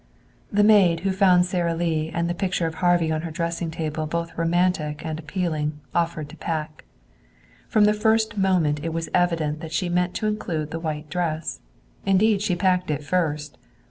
The maid, who found Sara Lee and the picture of Harvey on her dressing table both romantic and appealing, offered to pack. From the first moment it was evident that she meant to include the white dress. Indeed she packed it first.